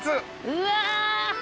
うわ。